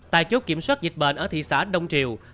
tại chốt kiểm soát dịch bệnh ở thị xã đông triều